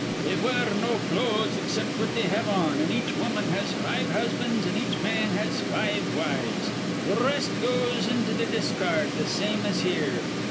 They wear no clothes except what they have on, an' each woman has five husbands an' each man has five wives. Th' r rest goes into th' discard, th' same as here.